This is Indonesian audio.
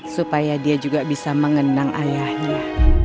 supaya dia juga bisa mengenang ayahnya